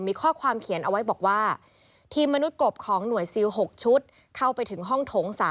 มีข้อความเขียนเอาไว้บอกว่าทีมมนุษย์กบของหน่วยซิล๖ชุดเข้าไปถึงห้องโถง๓